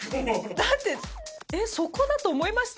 だって、えっ、そこだと思いました？